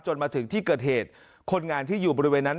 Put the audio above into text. มาถึงที่เกิดเหตุคนงานที่อยู่บริเวณนั้น